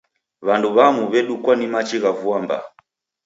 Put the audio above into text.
W'andu w'amu w'edukwa ni machi gha vua mbaa.